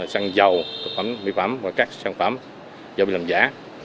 xăng dầu thực phẩm mỹ phẩm và các sản phẩm do bị làm giả